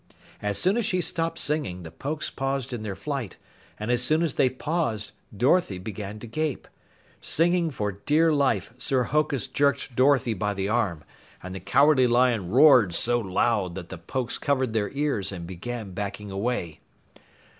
As soon as she stopped singing, the Pokes paused in their flight, and as soon as they paused Dorothy began to gape. Singing for dear life, Sir Hokus jerked Dorothy by the arm, and the Cowardly Lion roared so loud that the Pokes covered their ears and began backing away.